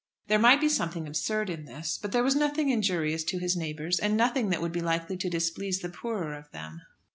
There might be something absurd in this, but there was nothing injurious to his neighbours, and nothing that would be likely to displease the poorer of them.